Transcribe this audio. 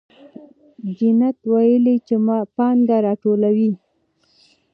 جینت ویلي چې پانګه راټولوي.